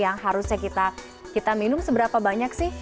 yang harusnya kita minum seberapa banyak sih